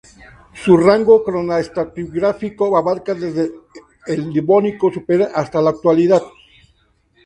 Su rango cronoestratigráfico abarca desde el Devónico superior hasta la Actualidad.